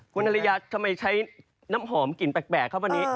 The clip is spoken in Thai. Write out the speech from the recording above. คุณอริยาทำไมใช้น้ำหอมกลิ่นแปลกครับวันนี้